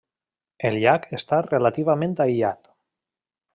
El llac està relativament aïllat.